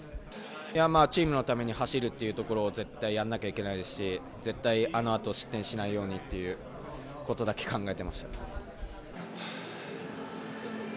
チームのために走るっていうところを絶対やんなきゃいけないですし絶対あのあと失点しないようにということだけ考えてました。